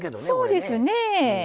そうですねぇ。